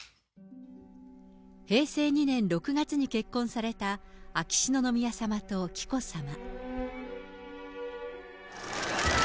平成２年６月に結婚された、秋篠宮さまと紀子さま。